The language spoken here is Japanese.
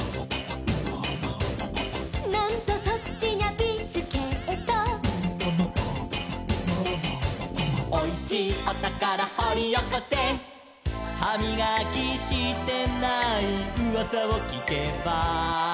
「なんとそっちにゃビスケット」「おいしいおたからほりおこせ」「はみがきしてないうわさをきけば」